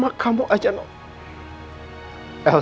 aku berharap kalian semua harus sehat numero